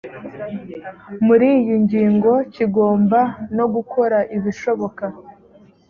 muri iyi ngingo kigomba no gukora ibishoboka